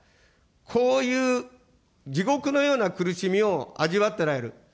こういう地獄のような苦しみを味わっておられる。